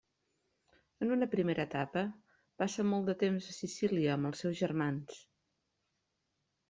En una primera etapa, passa molt de temps a Sicília amb els seus germans.